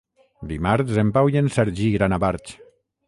Dimarts en Pau i en Sergi iran a Barx.